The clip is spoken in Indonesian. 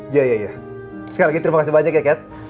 iya iya sekali lagi terima kasih banyak ya cat